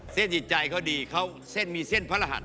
เส้นในใจเขาดีเส้นมีเส้นพระรหัส